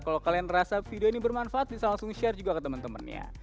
kalau kalian merasa video ini bermanfaat bisa langsung share juga ke teman temannya